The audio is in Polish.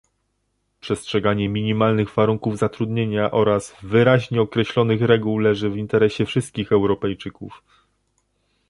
Przestrzeganie minimalnych warunków zatrudnienia oraz wyraźnie określonych reguł leży w interesie wszystkich Europejczyków